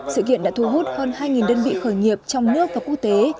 sự kiện đã thu hút hơn hai đơn vị khởi nghiệp trong nước và quốc tế